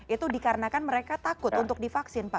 itu dikarenakan mereka takut untuk divaksin pak